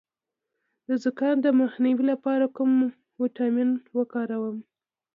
د زکام د مخنیوي لپاره کوم ویټامین وکاروم؟